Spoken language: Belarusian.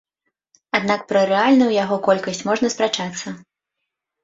Аднак пра рэальную яго колькасць можна спрачацца.